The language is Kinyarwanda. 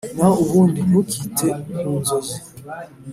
naho ubundi ntukite kunzozi,